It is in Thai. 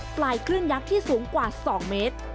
ปลายคลื่นยักษ์ที่สูงกว่า๒เมตร